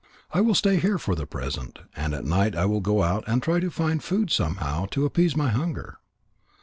I will stay here for the present, and at night I will go out and try to find food somehow to appease my hunger."